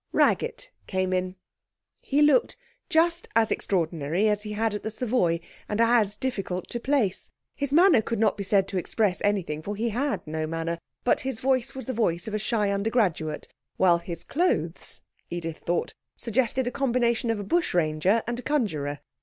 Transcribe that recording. Raggett came in. He looked just as extraordinary as he had at the Savoy and as difficult to place. His manner could not be said to express anything, for he had no manner, but his voice was the voice of a shy undergraduate, while his clothes, Edith thought, suggested a combination of a bushranger and a conjuror.